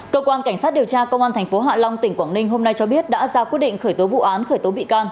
cơ quan cảnh sát điều tra công an tp hạ long tỉnh quảng ninh hôm nay cho biết đã ra quyết định khởi tố vụ án khởi tố bị can